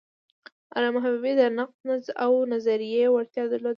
علامه حبیبي د نقد او نظریې وړتیا درلوده.